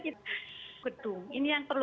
kit gedung ini yang perlu